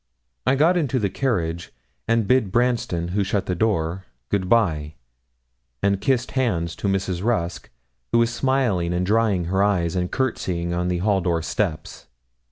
I got into the carriage, and bid Branston, who shut the door, good bye, and kissed hands to Mrs. Rusk, who was smiling and drying her eyes and courtesying on the hall door steps.